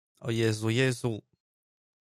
"O Jezu, Jezu!"